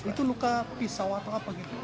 itu luka pisau atau apa gitu